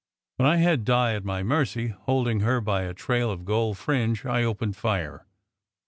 When I had Di at my mercy, holding her by a trail of gold fringe, I opened fire.